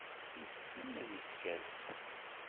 Yessen ad yeskerkes.